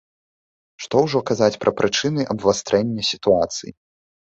Што ўжо казаць пра прычыны абвастрэння сітуацыі?